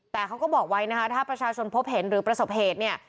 แต่เขาก็บอกไว้นะคะถ้าประชาชนพบเห็นหรือประสบเหตุเนี่ย